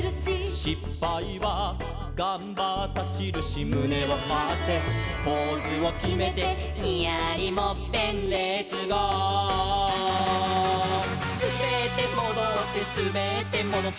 「しっぱいはがんばったしるし」「むねをはってポーズをきめて」「ニヤリもっぺんレッツゴー！」「すべってもどってすべってもどって」